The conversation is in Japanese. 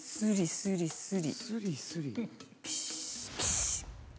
スリスリ？